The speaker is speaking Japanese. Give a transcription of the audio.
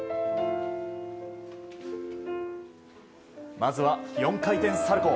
まずは４回転サルコウ。